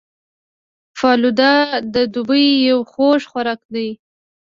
فالوده د دوبي یو خوږ خوراک دی